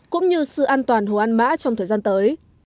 cũng như sự an toàn hồ an mã trong thời gian tới